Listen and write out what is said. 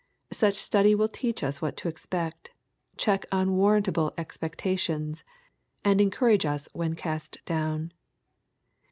Such study will teach us what to expect, check unwarrantable expectations, and encourage us when cast down.